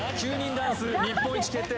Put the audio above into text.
ダンス日本一決定